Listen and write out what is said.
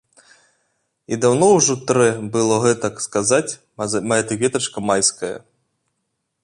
І даўно ўжо трэ было гэтак сказаць, мая ты кветачка майская.